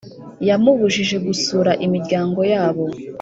Yamubujije gusura imiryango yabo